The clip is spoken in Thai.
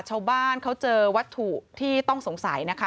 ชาวบ้านเขาเจอวัตถุที่ต้องสงสัยนะคะ